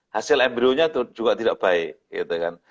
hasil embryonya itu juga tidak baik gitu kan